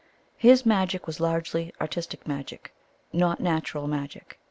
His magic was largely artistic magic, not natural magic.